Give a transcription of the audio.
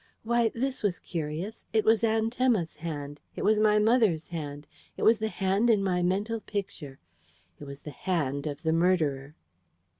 Why, this was curious! It was Aunt Emma's hand: it was my mother's hand: it was the hand in my mental Picture: it was the hand of the murderer!